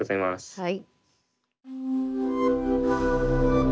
はい。